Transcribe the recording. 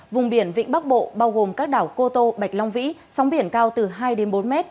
vùng biển vĩnh bắc bộ bao gồm các đảo cô tô bạch long vĩ sóng biển cao từ hai bốn m